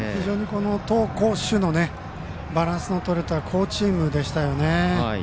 投攻守のバランスのとれた好チームでしたよね。